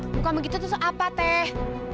bukan begitu terus apa teh